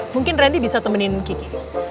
mungkin randy bisa temenin kiki